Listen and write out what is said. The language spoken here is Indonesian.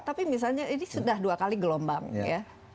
tapi misalnya ini sudah dua kali gelombang ya